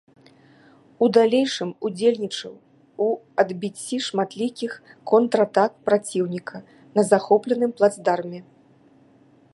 У далейшым удзельнічаў у адбіцці шматлікіх контратак праціўніка на захопленым плацдарме.